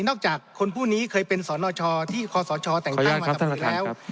จากคนผู้นี้เคยเป็นสนชที่คศแต่งตั้งมากับอีกแล้ว